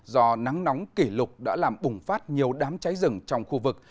do nắng nóng kỷ lục đã làm bùng phát nhiều đám cháy rừng trong khu vực